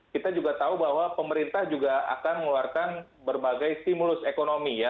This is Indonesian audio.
kita juga tahu bahwa pemerintah juga akan mengeluarkan berbagai stimulus ekonomi ya